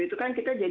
itu kan kita jadi